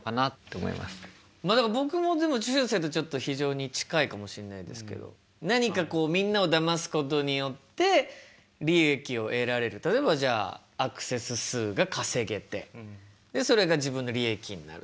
まあでも僕もしゅうせいとちょっと非常に近いかもしんないですけど何かこうみんなをだますことによって利益を得られる例えばじゃあアクセス数が稼げてでそれが自分の利益になるとか。